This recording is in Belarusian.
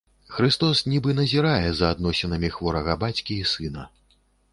Хрыстос нібы назірае за адносінамі хворага бацькі і сына.